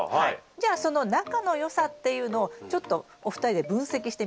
じゃあその仲のよさっていうのをちょっとお二人で分析してみましょう。